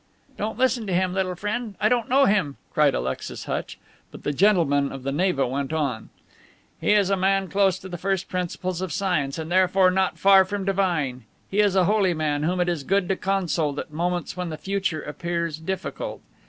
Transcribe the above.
"Don't listen to him, little friend; I don't know him," cried Alexis Hutch. But the gentleman of the Neva went on: "He is a man close to the first principles of science, and therefore not far from divine; he is a holy man, whom it is good to consult at moments when the future appears difficult.